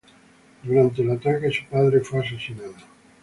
Durante el ataque su padre fue asesinado.